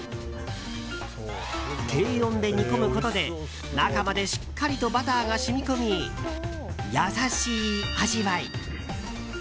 低温で煮込むことで中までしっかりとバターが染み込み優しい味わい。